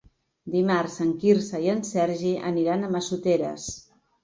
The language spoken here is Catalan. Dimarts en Quirze i en Sergi aniran a Massoteres.